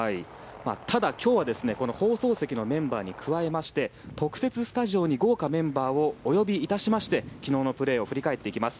ただ今日は放送席のメンバーに加えまして特設スタジオに豪華メンバーをお呼びいたしまして昨日のプレーを振り返っていきます。